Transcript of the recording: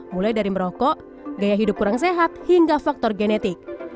mulai dari merokok gaya hidup kurang sehat hingga faktor genetik